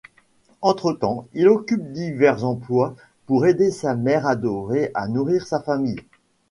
Entre-temps, il occupe divers emplois pour aider sa mère adorée à nourrir sa famille.